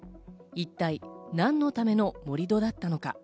一体何のための盛り土だったのか。